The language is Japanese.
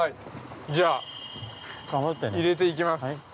◆じゃあ、入れていきます。